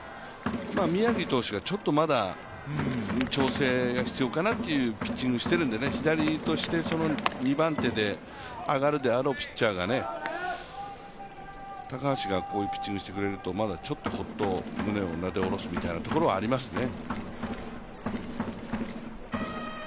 宮城投手がまだ調整が必要かなというピッチングしてるんで左として、２番手で上がるであろうピッチャーが、高橋がこういうピッチングをしてくれると、まだホッと胸をなで下ろすみたいな感じはありますね。